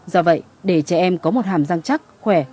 do vậy để trẻ em có một hàm răng chắc khỏe